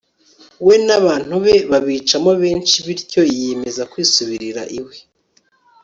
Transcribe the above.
we n'abantu be, babicamo benshi, bityo yiyemeza kwisubirira iwe